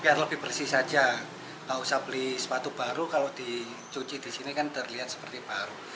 biar lebih bersih saja nggak usah beli sepatu baru kalau dicuci di sini kan terlihat seperti baru